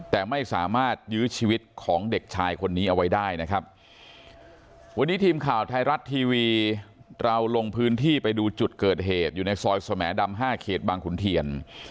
แต่ไม่สามารถยื้อชีวิตของเด็กชายคนนี้เอาไว้ได้นะครับวันนี้ทีมข่าวไทยรัฐทีวีเราลงพื้นที่ไปดูจุดเกิดเหตุอยู่ในซอยสมดำ๕เขตบางขุนเทียน